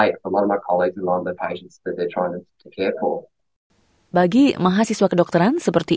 dan untuk semua anggota masyarakat